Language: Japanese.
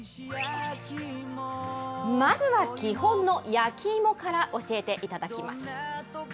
まずは基本の焼き芋から教えていただきます。